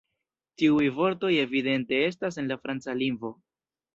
Tiuj vortoj evidente estas en la franca lingvo.